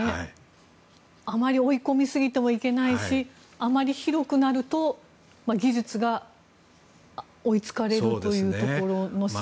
あまり追い込みすぎてもいけないしあまり広くなると技術が追い付かれるというところの塩梅。